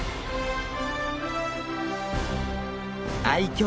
愛きょう